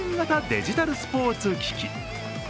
デジタルスポーツ機器。